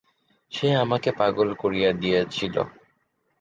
সে আমাকে পাগল করিয়া দিয়াছিল।